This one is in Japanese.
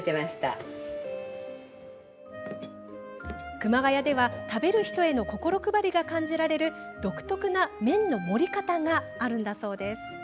熊谷では食べる人への心配りが感じられる独特な麺の盛り方があるんだそうです。